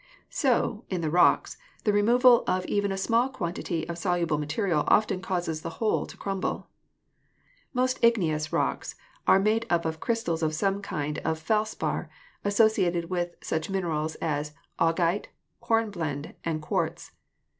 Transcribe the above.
So, in the rocks, the removal of even a small quantity of soluble material often causes the whole to crumble. Most igneous rocks are made up of crystals of some kind of felspar, associated with such minerals as augite, horn blende and quartz.